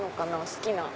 好きな。